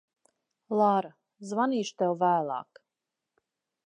Lara, zvanīšu tev vēlāk.